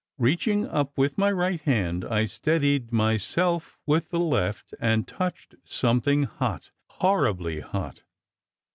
Reaching up with my right hand, I steadied myself with the left, and touched something hot, horribly hot.